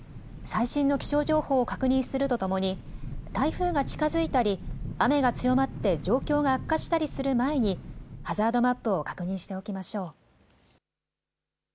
最新の気象情報を確認するとともに、台風が近づいたり、雨が強まって状況が悪化したりする前に、ハザードマップを確認しておきましょう。